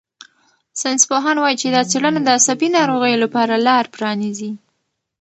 ساینسپوهان وايي چې دا څېړنه د عصبي ناروغیو لپاره لار پرانیزي.